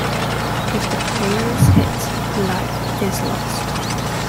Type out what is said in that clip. If the player is hit, a life is lost.